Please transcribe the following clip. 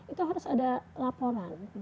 itu harus ada laporan